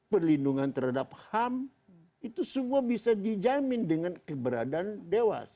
perlindungan terhadap ham itu semua bisa dijamin dengan keberadaan dewas